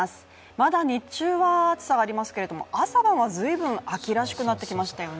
まだ日中は暑さはありますけれども、朝晩はずいぶん秋らしくなってきましたよね。